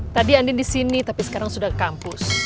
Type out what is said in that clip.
tadi andin di sini tapi sekarang sudah ke kampus